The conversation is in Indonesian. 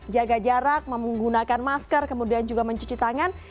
jaga jarak menggunakan masker kemudian juga mencuci tangan